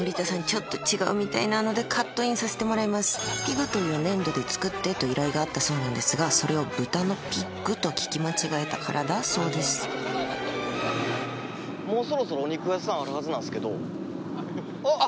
ちょっと違うみたいなのでカットインさせてもらいますピグという粘土で作ってと依頼があったそうなんですがそれをブタのピッグと聞き間違えたからだそうですよっしゃ。